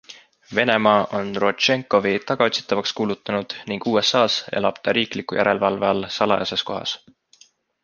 Venemaa on Rodtšenkovi tagaotsitavaks kuulutanud ning USAs elab ta riikliku järelevalve all salajases kohas.